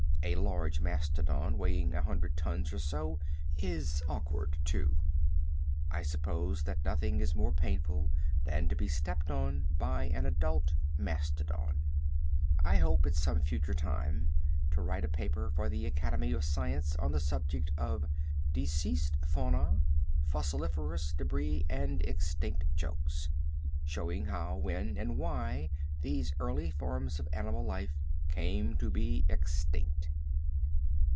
A large mastodon weighing a hundred tons or so is awkward, too. I suppose that nothing is more painful than to be stepped on by an adult mastodon. I hope at some future time to write a paper for the Academy of Science on the subject of "Deceased Fauna, Fossiliferous Debris and Extinct Jokes," showing how, when and why these early forms of animal life came to be extinct.